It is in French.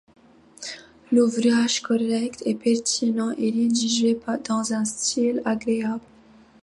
L'ouvrage, correct et pertinent, est rédigé dans un style agréable.